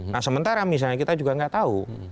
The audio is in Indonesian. nah sementara misalnya kita juga nggak tahu